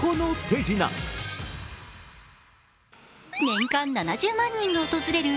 年間７０万人が訪れる